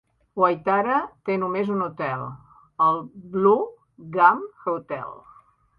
Waitara té només un hotel, el Blue Gum Hotel.